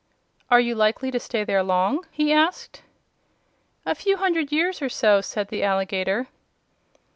"Are you likely to stay there long?" he asked. "A few hundred years or so," said the alligator.